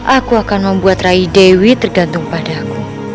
aku akan membuat rai dewi tergantung padaku